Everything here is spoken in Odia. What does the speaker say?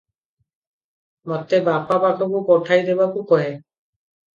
ମୋତେ ବାପା ପାଖକୁ ପଠାଇ ଦେବାକୁ କହେ ।